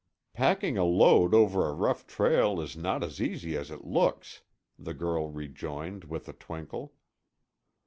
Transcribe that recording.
"Packing a load over a rough trail is not as easy as it looks," the girl rejoined with a twinkle.